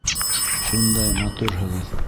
Шундай матурһығыҙ!